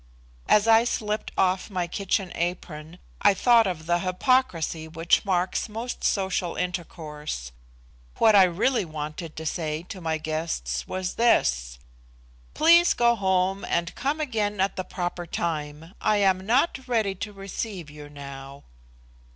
As I slipped off my kitchen apron I thought of the hypocrisy which marks most social intercourse. What I really wanted to say to my guests was this: "Please go home and come again at the proper time. I am not ready to receive you now."